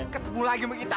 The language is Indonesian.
ketemu lagi makita